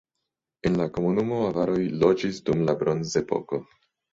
En la komunumo avaroj loĝis dum la bronzepoko.